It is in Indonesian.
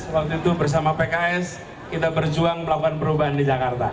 dua ribu tujuh belas waktu itu bersama pks kita berjuang melakukan perubahan di jakarta